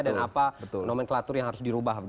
dan apa nomenklatur yang harus dirubah